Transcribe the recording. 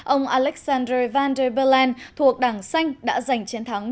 ông alexander van der bellen thuộc đảng xanh đã giành chiến thắng